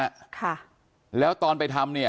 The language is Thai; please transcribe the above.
อันนี้มันต้องมีเครื่องชีพในกรณีที่มันเกิดเหตุวิกฤตจริงเนี่ย